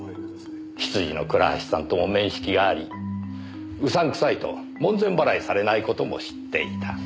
執事の倉橋さんとも面識がありうさんくさいと門前払いされない事も知っていた。